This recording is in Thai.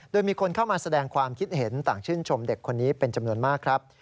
โดยมีคนเข้ามาแสดงความคิดเห็นต่างชื่นชมเด็กคนนี้เป็นจำนวนมากครับ